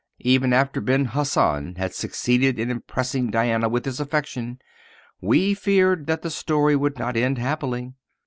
Even after Ben Hassan had succeeded in impressing Diana with his affection, we feared that the story would not end happily.